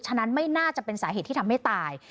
ฉะนั้นไม่น่าจะเป็นสาเหตุที่ทำให้ตาย